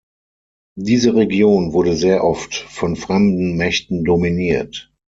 Diese Region wurde sehr oft von fremden Mächten dominiert.